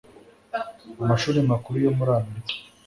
amashuri makuru yo muri amerika